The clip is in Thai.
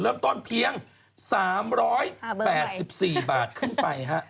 เริ่มต้นเพียง๓๘๔บาทขึ้นไปฮะ